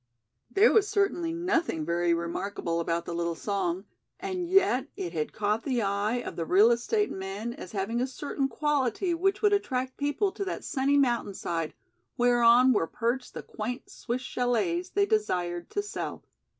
There was certainly nothing very remarkable about the little song, and yet it had caught the eye of the real estate men as having a certain quality which would attract people to that sunny mountainside whereon were perched the quaint Swiss chalets they desired to sell.